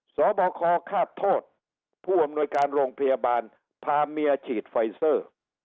สบคฆาตโทษผู้อำนวยการโรงพยาบาลพาเมียฉีดไฟเซอร์